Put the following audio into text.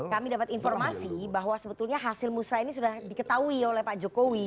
kami dapat informasi bahwa sebetulnya hasil musrah ini sudah diketahui oleh pak jokowi